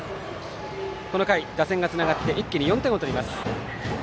この回、打線がつながって一気に４点を取ります。